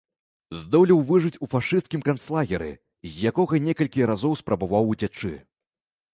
Здолеў выжыць у фашысцкім канцлагеры, з якога некалькі разоў спрабаваў уцячы.